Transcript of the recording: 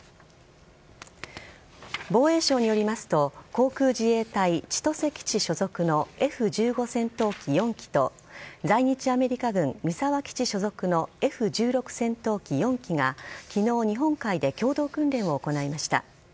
防衛省によりますと航空自衛隊千歳基地所属のＦ‐１５戦闘機４機と在日アメリカ軍三沢基地所属のＦ‐１６戦闘機４機が昨日、日本海で共同訓練を行いました。